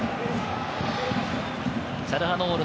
チャルハノール。